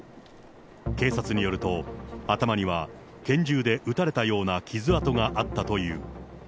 警察によると、頭には拳銃で撃たれたような傷痕があったという。